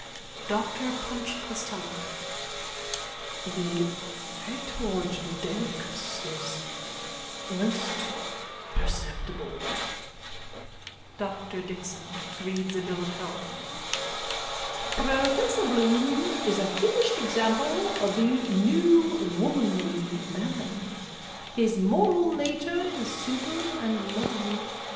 DR PUNCH COSTELLO: The fetor judaicus is most perceptible. DR DIXON: (Reads a bill of health.) Professor Bloom is a finished example of the new womanly man. His moral nature is simple and lovable.